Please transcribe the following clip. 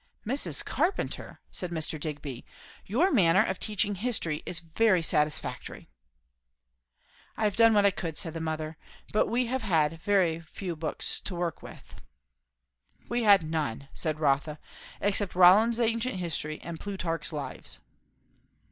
"Mrs. Carpenter," said Mr. Digby, "your manner of teaching history is very satisfactory!" "I have done what I could," said the mother, "but we had very few books to work with." "We had none," said Rotha, "except Rollin's Ancient History, and Plutarch's Lives."